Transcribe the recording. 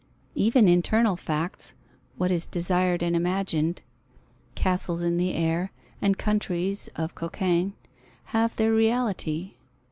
Even internal facts, what is desired and imagined, castles in the air, and countries of Cockagne, have their reality.